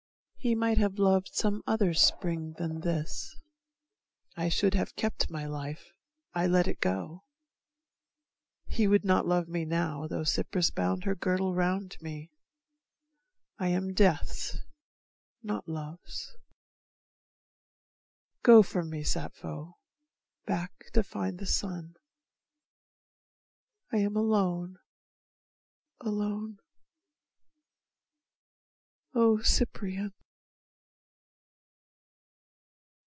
He might have loved some other spring than this; I should have kept my life I let it go. He would not love me now tho' Cypris bound Her girdle round me. I am Death's, not Love's. Go from me, Sappho, back to find the sun. I am alone, alone. O Cyprian